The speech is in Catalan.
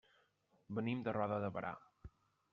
Venim de Roda de Berà.